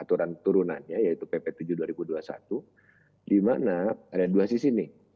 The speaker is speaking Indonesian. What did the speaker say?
aturan turunannya yaitu pp tujuh dua ribu dua puluh satu di mana ada dua sisi nih